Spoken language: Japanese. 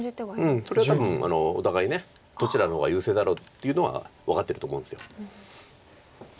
うんそれは多分お互いどちらの方が優勢だろうっていうのは分かってると思うんです。